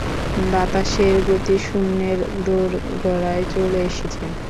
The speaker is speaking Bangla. বাতাসের গতি শূন্যের দোরগোড়ায় চলে এসেছে!